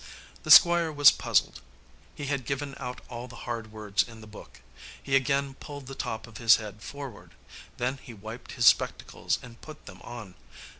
The Squire was puzzled. He had given out all the hard words in the book. He again pulled the top of his head forward. Then he wiped his spectacles and put them on.